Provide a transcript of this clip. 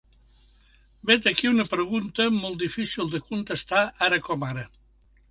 Vet aquí una pregunta molt difícil de contestar ara com ara.